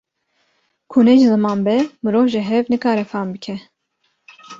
Ku ne ji ziman be mirov ji hev nikare fehm bike